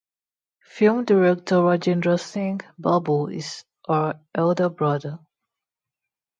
Film director Rajendra Singh Babu is her elder brother.